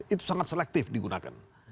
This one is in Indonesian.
itu sangat selektif digunakan